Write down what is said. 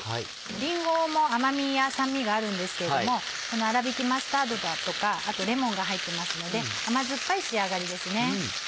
りんごも甘みや酸味があるんですけれどもこのあらびきマスタードだとかあとレモンが入ってますので甘酸っぱい仕上がりですね。